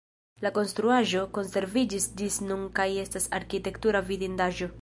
La konstruaĵo konserviĝis ĝis nun kaj estas arkitektura vidindaĵo.